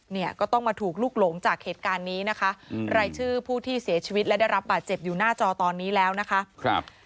เนี่ยก็ต้องมาถูกลุกหลงจากเหตุการณ์นี้นะคะรายชื่อผู้ที่เสียชีวิตและได้รับบาดเจ็บอยู่หน้าจอตอนนี้แล้วนะคะ